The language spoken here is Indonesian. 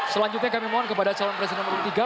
selanjutnya kami mohon kepada calon presiden nomor tiga